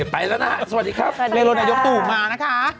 พบกันเร็วขึ้น